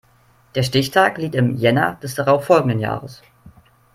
Der Stichtag liegt im Jänner des darauf folgenden Jahres.